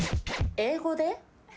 英語で？